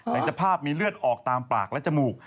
ในสภาพมีเลือดออกตามปากและจมูก